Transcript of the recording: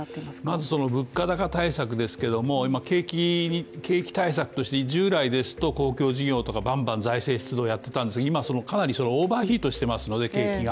まず物価高対策ですけれども、景気対策として従来ですと公共事業とかばんばん財政出動をやっていたんですが、今、かなりオーバーヒートしていますので景気が。